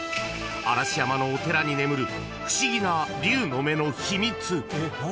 ［嵐山のお寺に眠る不思議な龍の目の秘密］